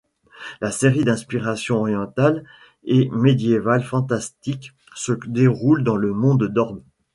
La série d'inspiration orientale et médiéval-fantastique se déroule dans le monde dOrb.